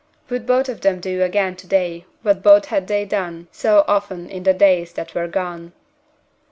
Would both of them do again to day what both had done so often in the days that were gone?